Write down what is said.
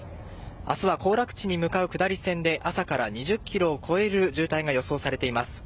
明日は行楽地に向かう下り線で朝から２０ｋｍを超える渋滞が予想されています。